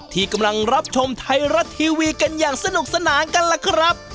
ที่กำลังรับชมไทยรัฐทีวีกันอย่างสนุกสนานกันล่ะครับ